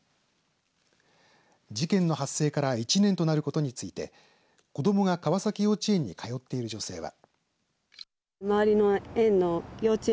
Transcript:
事件の発生から１年となることについて子どもが川崎幼稚園に通っている女性は。